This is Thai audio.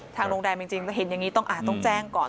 ทางโรงแรมจริงเห็นอย่างนี้ต้องแจ้งก่อน